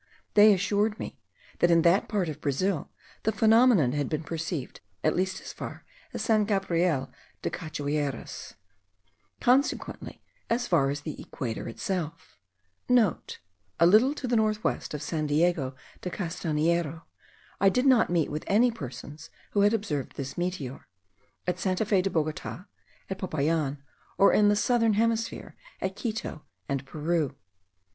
They assured me that in that part of Brazil the phenomenon had been perceived at least as far as San Gabriel das Cachoeiras, consequently as far as the equator itself.* (* A little to the north west of San Antonio de Castanheiro. I did not meet with any persons who had observed this meteor, at Santa Fe de Bogota, at Popayan, or in the southern hemisphere, at Quito and Peru.